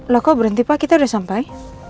loh kok berhenti pak kita udah sampai